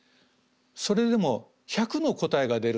それでも１００の答えが出るんですね。